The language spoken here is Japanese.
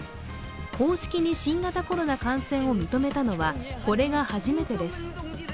公式に新型コロナ感染を認めたのはこれが初めてです。